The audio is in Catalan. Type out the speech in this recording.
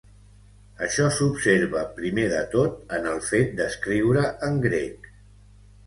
Això s'observa primer de tot en el fet d'escriure en grec.